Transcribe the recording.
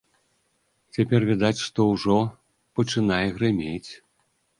Цяпер, відаць што, ужо пачынае грымець.